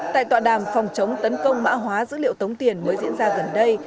tại tọa đàm phòng chống tấn công mã hóa dữ liệu tống tiền mới diễn ra gần đây